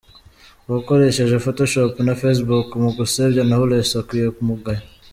Uwakoresheje photoshop na Facebook mu gusebya Knowless akwiye umugayo.